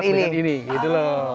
nggak cocok dengan ini gitu loh